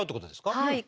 はい。